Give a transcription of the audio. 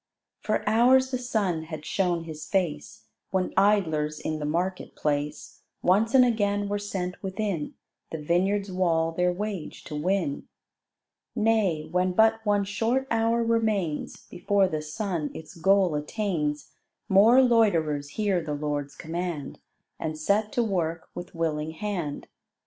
For hours the sun had shown his face, When idlers in the market place Once and again were sent within The vineyard's wall their wage to win. Nay, when but one short hour remains Before the sun its goal attains, More loiterers hear the Lord's command And set to work with willing hand.